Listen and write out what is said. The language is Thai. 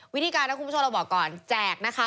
วิธีการนะคุณผู้ชมเราบอกก่อนแจกนะคะ